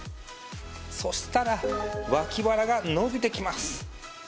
そしたら脇腹が伸びてきます。